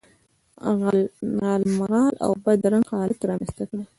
غالمغال او بد رنګ حالت رامنځته کړي.